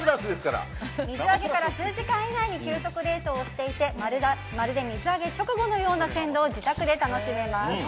水揚げから数時間以内に急速冷凍していてまるで水揚げ直後のような鮮度を自宅で楽しめます。